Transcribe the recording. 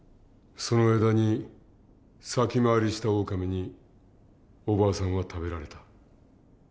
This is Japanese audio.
その間に先回りしたオオカミにおばあさんは食べられた。